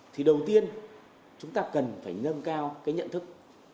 thì đầu tiên chúng ta cần phải nâng cao cái nhận thức